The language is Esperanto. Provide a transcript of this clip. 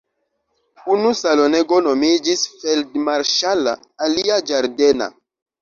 Unu salonego nomiĝis "feldmarŝala" alia "ĝardena".